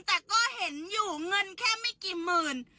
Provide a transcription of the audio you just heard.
แต่ก็เห็นอยู่เงินแค่ไม่กี่หมื่น